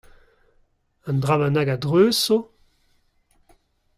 Un dra bennak a-dreuz zo ?